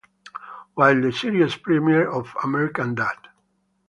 While the series premiere of American Dad!